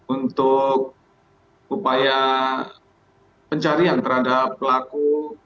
untuk upaya pencarian terhadap pelaku